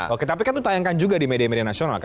oke tapi kan itu tayangkan juga di media media nasional kan